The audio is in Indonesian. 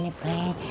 ini buat lu mak